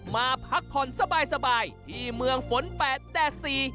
มาพักผ่อนสบายที่เมืองฝน๘แต่๔